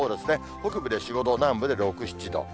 北部で４、５度、南部で６、７度。